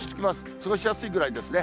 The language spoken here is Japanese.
過ごしやすいくらいですね。